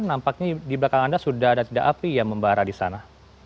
nampaknya di belakang anda sudah ada tidak api yang membara di sana